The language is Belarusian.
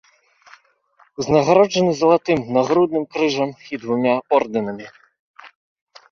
Узнагароджаны залатым нагрудным крыжам і двума ордэнамі.